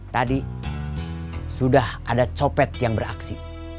tadi sudah ada copet yang beraksi